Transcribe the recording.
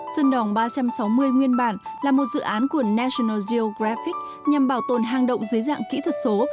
sơn đòn ba trăm sáu mươi nguyên bản là một dự án của national geographic nhằm bảo tồn hàng động dưới dạng kỹ thuật số